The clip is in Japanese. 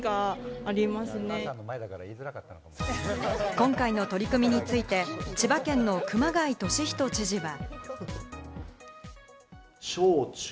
今回の取り組みについて、千葉県の熊谷俊人知事は。